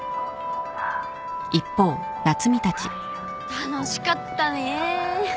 楽しかったね！